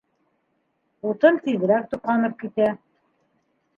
Утын тиҙерәк тоҡанып китә